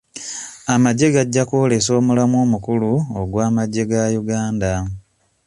Amagye gajja kwolesa omulamwa omukulu ogw'amagye ga Uganda.